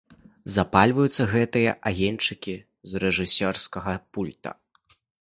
Запальваюцца гэтыя агеньчыкі з рэжысёрскага пульта.